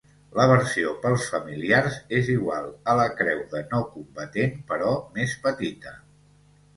La versió pels familiars és igual a la creu de no-combatent, però més petita.